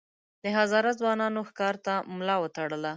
د هزاره ځوانانو ښکار ته ملا وتړله.